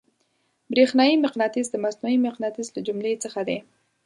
برېښنايي مقناطیس د مصنوعي مقناطیس له جملې څخه دی.